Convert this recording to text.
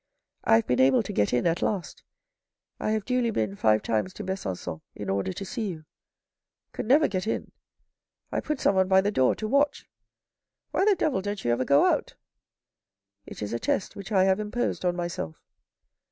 " I have been able to get in at last. I have duly been five times to Besancon in order to see you. Could never get in. I put someone by the door to watch. Why the devil don't you ever go out ?"" It is a test which I have imposed on myself."